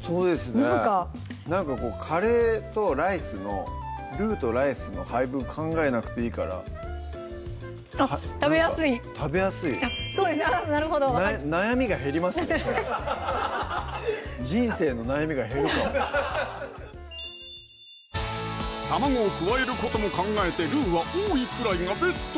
そうですねなんかこうカレーとライスのルウとライスの配分考えなくていいから食べやすいあぁなるほど悩みが減りますね人生の悩みが減るかも卵を加えることも考えてルウは多いくらいがベスト！